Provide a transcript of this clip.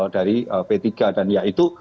dari p tiga dan ya itu